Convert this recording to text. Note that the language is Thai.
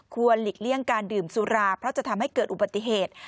หลีกเลี่ยงการดื่มสุราเพราะจะทำให้เกิดอุบัติเหตุ